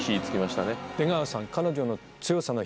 出川さん。